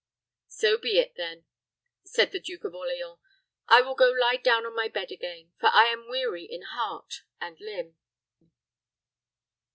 "So be it, then," said the Duke of Orleans. "I will go lie down on my bed again, for I am weary in heart and limb."